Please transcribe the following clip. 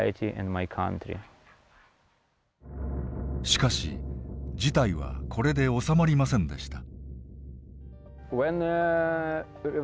しかし事態はこれで収まりませんでした。